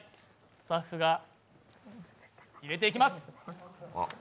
スタッフが入れていきます。